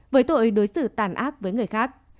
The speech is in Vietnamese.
với tội đối xử tàn ác với người khác